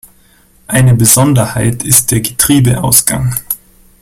Eine Besonderheit ist der Getriebeausgang.